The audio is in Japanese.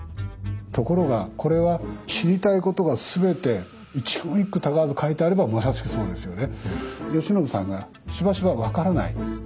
ところがこれは知りたいことがすべて一言一句たがわず書いてあればまさしくそうですよね。